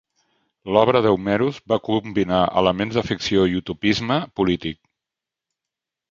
L'obra d'Eumerus va combinar elements de ficció i utopisme polític.